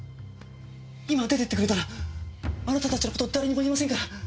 今出て行ってくれたらあなたたちの事誰にも言いませんから。